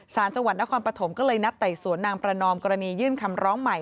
สารจังหวัดนครปฐมก็เลยนัดไต่สวนนางประนอมกรณียื่นคำร้องใหม่